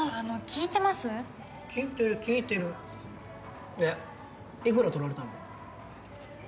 聞いてる聞いてるでいくら取られたの？